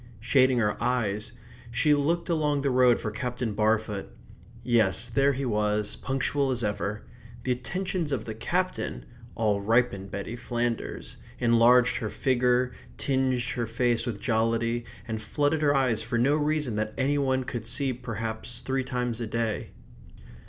Shading her eyes, she looked along the road for Captain Barfoot yes, there he was, punctual as ever; the attentions of the Captain all ripened Betty Flanders, enlarged her figure, tinged her face with jollity, and flooded her eyes for no reason that any one could see perhaps three times a day.